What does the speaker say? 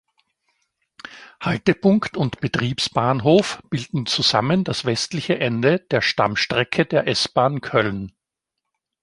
Haltepunkt und Betriebsbahnhof bilden zusammen das westliche Ende der Stammstrecke der S-Bahn Köln.